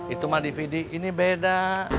itu mah dvd ini beda